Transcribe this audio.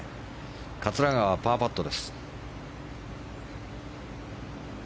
桂川、パーパット。